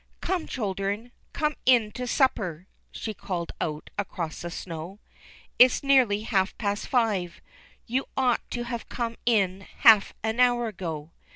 ^^Come, children; come in to supper," she called out across the snow. It's nearly half past five. You ought to have come in half an hour ago.